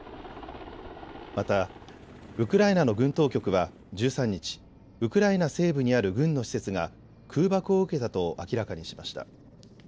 またウクライナの軍当局は１３日ウクライナ西部にある軍の施設が空爆を受けたと明らかにしました。